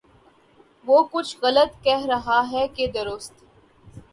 وہ کچھ غلط کہہ رہا ہے کہ درست